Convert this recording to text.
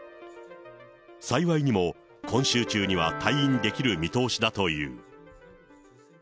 幸いにも、今週中には退院できる見通しだという。